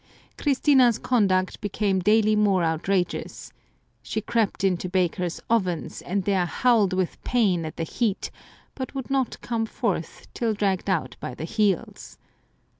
Christina's conduct became daily more outrageous. She crept into bakers' ovens, and there howled with pain at the heat, but would not come forth, till dragged out by the heels.